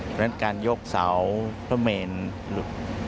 เพราะฉะนั้นการยกเสาพระเมนหลุด